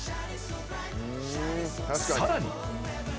さらに。